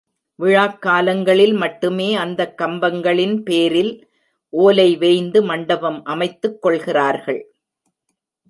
விழாக் காலங்களில் மட்டுமே அந்தக் கம்பங்களின் பேரில் ஓலை வேய்ந்து மண்டபம் அமைத்துக் கொள்கிறார்கள்.